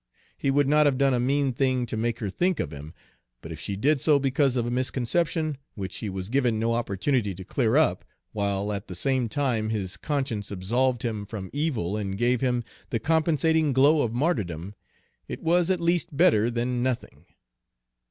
He would not have done a mean thing to make her think of him; but if she did so because of a misconception, which he was given no opportunity to clear up, while at the same time his conscience absolved him from evil and gave him the compensating glow of martyrdom, it was at least better than nothing.